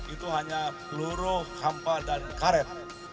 itu hanya peluru hampa dan karet